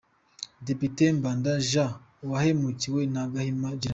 Depite Mbanda Jean wahemukiwe na Gahima Gerard